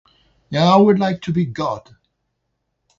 Yeah, I would like to be God.